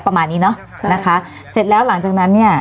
ประมาณนี้เนอะใช่นะคะเสร็จแล้วหลังจากนั้นเนี่ย